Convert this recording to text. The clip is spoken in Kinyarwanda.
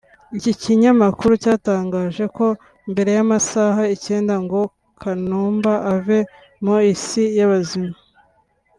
Iki kinyamakuru cyatangaje ko mbere y’amasaha icyenda ngo Kanumba ave mu isi y’abazima